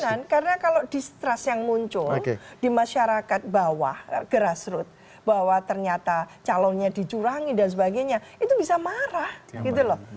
karena kalau distrust yang muncul di masyarakat bawah grassroot bahwa ternyata calonnya dicurangi dan sebagainya itu bisa marah gitu loh